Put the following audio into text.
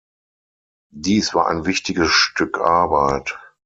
Dies war ein wichtiges Stück Arbeit.